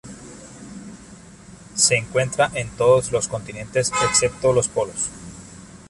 Se encuentra en todos los continentes excepto los polos.